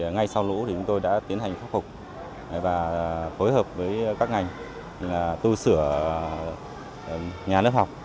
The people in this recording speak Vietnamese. ngay sau lũ thì chúng tôi đã tiến hành khắc phục và phối hợp với các ngành tu sửa nhà lớp học